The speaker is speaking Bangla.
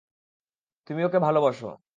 তুমি ওকে ভালোবাস।